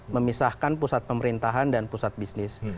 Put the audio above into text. memisahkan pusat pemerintahan dan pusat bisnis